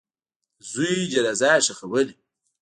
د زوی جنازه یې ښخوله.